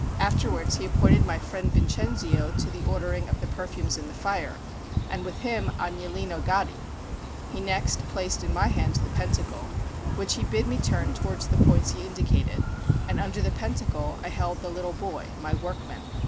Afterwards he appointed my friend Vincenzio to the ordering of the perfumes and the fire, and with him Agnolino Gaddi. He next placed in my hand the pentacle, which he bid me turn toward the points he indicated, and under the pentacle I held the little boy, my workman.